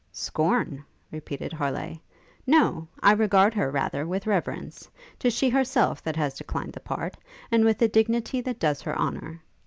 'Scorn?' repeated Harleigh, 'No! I regard her, rather, with reverence. 'Tis she herself that has declined the part, and with a dignity that does her honour.